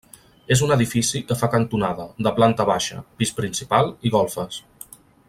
És un edifici que fa cantonada, de planta baixa, pis principal i golfes.